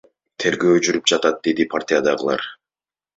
Тергөө жүрүп жатат, — деди партиядагылар.